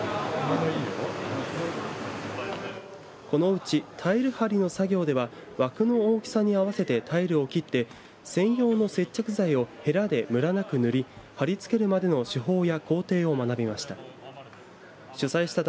このうち、タイル針の作業では枠の大きさに合わせてタイルを切って専用の接着剤をヘラでむらなく塗り貼りつけるまでの手法や工程を学びました。